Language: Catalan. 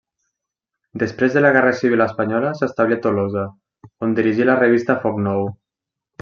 Després de la guerra civil espanyola s'establí a Tolosa, on dirigí la revista Foc Nou.